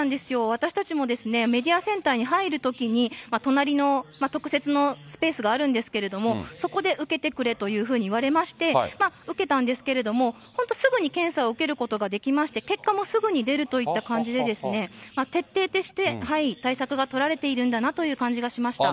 私たちもですね、メディアセンターに入るときに、隣の特設のスペースがあるんですけれども、そこで受けてくれというふうに言われまして、受けたんですけれども、本当すぐに検査を受けることができまして、結果もすぐに出るといった感じで、徹底して対策が取られているんだなという感じがしました。